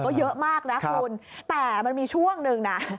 ก็เยอะมากนะคุณแต่มันมีช่วงหนึ่งนะ